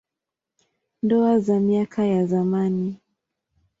Ndoa za miaka ya zamani.